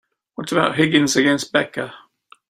What about Higgins against Becca?